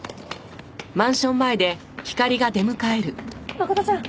真琴ちゃん！